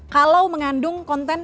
kalau mengandung konten